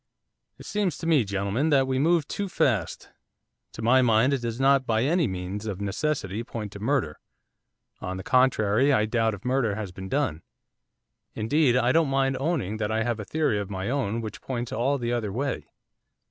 'It seems to me, gentlemen, that we move too fast, to my mind it does not by any means of necessity point to murder. On the contrary, I doubt if murder has been done. Indeed, I don't mind owning that I have a theory of my own which points all the other way.